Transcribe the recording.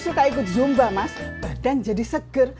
eh makasih jak